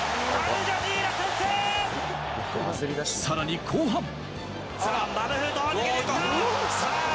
さらに後半。